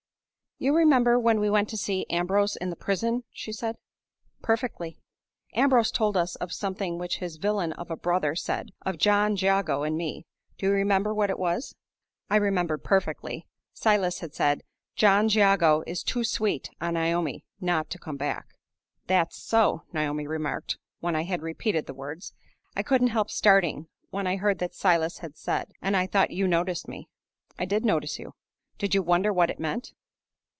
"You remember when we went to see Ambrose in the prison?" she said. "Perfectly." "Ambrose told us of something which his villain of a brother said of John Jago and me. Do you remember what it was?" I remembered perfectly. Silas had said, "John Jago is too sweet on Naomi not to come back." "That's so," Naomi remarked when I had repeated the words. "I couldn't help starting when I heard what Silas had said; and I thought you noticed me." "I did notice you." "Did you wonder what it meant?"